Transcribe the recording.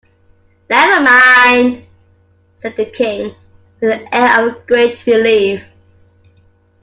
‘Never mind!’ said the King, with an air of great relief.